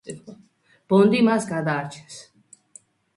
ბონდი მას გადაარჩენს.